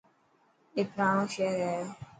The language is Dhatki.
اي پراڻو شهر هي.